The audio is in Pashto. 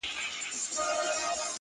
یو ځای مې ولوستل